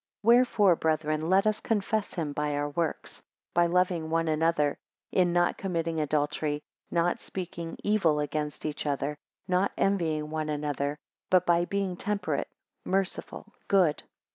13 Wherefore, brethren, let us confess him by our works; by loving one another; in not committing adultery, not speaking evil against each other, not envying one another; but by being temperate, merciful, good.